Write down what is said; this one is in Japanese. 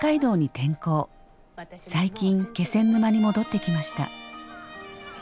最近気仙沼に戻ってきました。